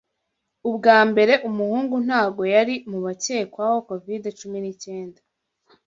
Ubwa mbere, umuhungu ntago yari mubakekwaho covid cumi n'icyenda.